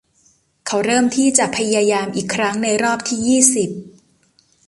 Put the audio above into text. เขาเริ่มที่จะพยายามอีกครั้งในรอบที่ยี่สิบ